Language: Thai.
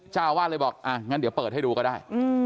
เจ้าอาวาสเลยบอกอ่ะงั้นเดี๋ยวเปิดให้ดูก็ได้